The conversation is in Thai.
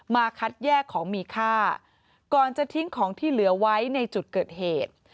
คัดแยกของมีค่าก่อนจะทิ้งของที่เหลือไว้ในจุดเกิดเหตุ